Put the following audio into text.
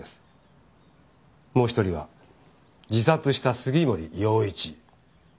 もう１人は自殺した杉森陽一。